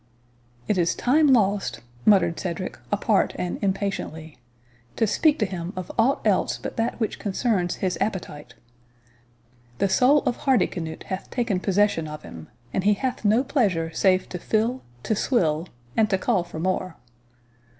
"It is time lost," muttered Cedric apart and impatiently, "to speak to him of aught else but that which concerns his appetite! The soul of Hardicanute hath taken possession of him, and he hath no pleasure save to fill, to swill, and to call for more.